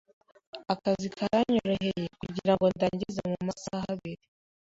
Akazi karanyoroheye kugirango ndangize mumasaha abiri.